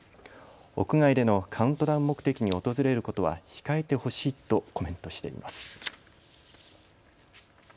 屋外でのカウントダウン目的に訪れることは控えてほしいとコメントしています。